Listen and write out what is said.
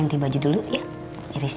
makanan itu untuk pak irfan